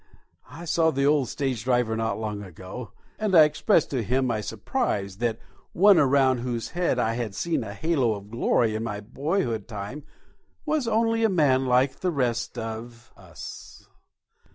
I saw the old stage driver not long ago, and I expressed to him my surprise that one around whose head I had seen a halo of glory in my boyhood time was only a man like the rest of us.